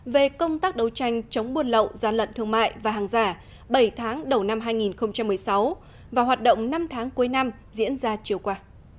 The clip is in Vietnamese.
về công tác đấu tranh chống buôn lậu gian lận thương mại và hàng giả bảy tháng đầu năm hai nghìn một mươi sáu và hoạt động năm tháng cuối năm diễn ra chiều qua